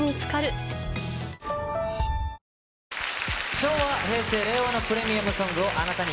昭和、平成、令和のプレミアムソングをあなたに。